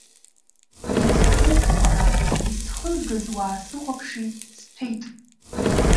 Иазхоуп, уара, исхызгаз, уаасыхәаԥши, сҭәеит.